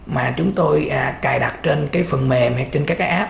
mà chúng tôi cài đặt trên phần mềm hay trên các app